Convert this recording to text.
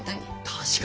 確かに。